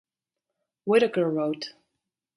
Whitacre wrote, ...